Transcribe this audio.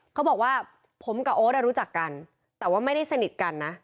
เขาบอกว่าผมกับโอ๊ตรู้จักกันแต่ว่าไม่ได้สนิทกันนะ